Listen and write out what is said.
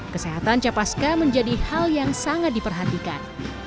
kesehatan capa ska menjadi hal yang sangat diperhatikan